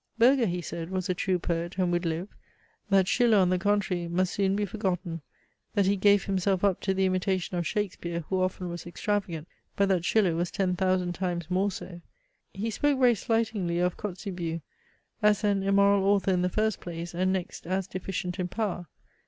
Buerger, he said, was a true poet, and would live; that Schiller, on the contrary, must soon be forgotten; that he gave himself up to the imitation of Shakespeare, who often was extravagant, but that Schiller was ten thousand times more so. He spoke very slightingly of Kotzebue, as an immoral author in the first place, and next, as deficient in power.